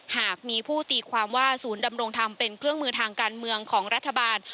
หากมีผู้ตีความว่าศูนย์ดำรงธรรมเป็นเครื่องมือทางการเมืองของรัฐบาล